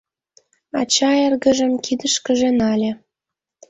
Ача эргыжым кидышкыже нале.